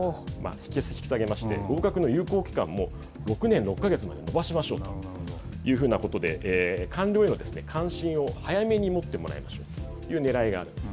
引き下げまして合格の有効期間も６年６か月まで延ばしましょうというふうなことで官僚への関心を早めに持ってもらいましょうというねらいがあるんです。